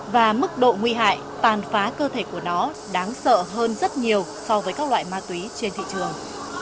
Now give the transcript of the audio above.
và mức độ nguy hại tàn phá cơ thể của nó đáng sợ hơn rất nhiều so với các loại ma túy trên thị trường